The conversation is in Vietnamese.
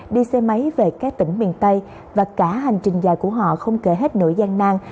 đi xe máy về các tỉnh miền tây và cả hành trình dài của họ không kể hết nỗi gian nang